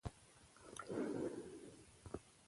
تعلیم، عدالت او دیموکراسي د پرمختګ بنسټونه دي.